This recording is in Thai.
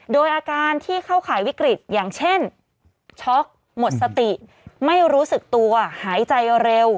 โดยอาการที่เข้าข่ายวิกฤตอย่างเช่นช็อกหมดสติไม่รู้สึกตัวหายใจเร็ว